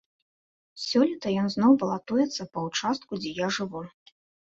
Сёлета ён зноў балатуецца па ўчастку, дзе я жыву.